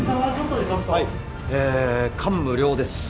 え感無量です。